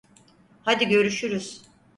Hadi görüşürüz.